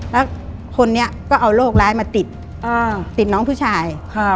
แล้วคนนี้ก็เอาโรคร้ายมาติดติดน้องผู้ชาย